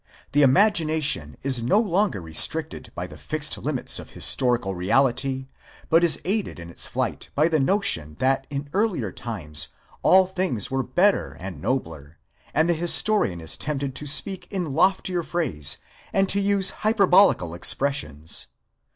The imagination is no longer restricted by the fixed limits of historical reality, but is aided in its flight by the notion that in earlier times all things were better and nobler ; and the historian is tempted to speak in loftier phrase, and to use hyperbolical expressions.